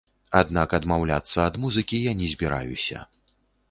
Аднак адмаўляцца ад музыкі я не збіраюся.